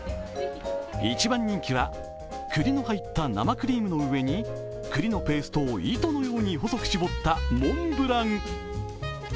一番人気はくりの入った生クリームの上にくりのペーストを糸のように細く絞ったモンブラン。